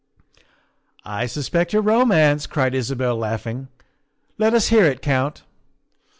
" I suspect a romance," cried Isabel, laughing; " let us hear it, Count.